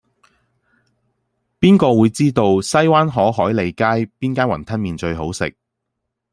邊個會知道西灣河海利街邊間雲吞麵最好食